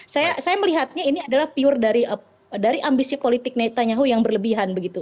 saya melihatnya ini adalah pure dari ambisi politik netanyahu yang berlebihan begitu